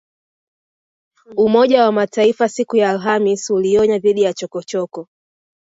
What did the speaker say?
Umoja wa Mataifa siku ya AlhamisI ulionya dhidi ya chokochoko